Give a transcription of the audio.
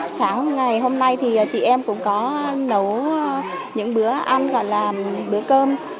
sáng ngày hôm nay thì chị em cũng có nấu những bữa ăn gọi là bữa cơm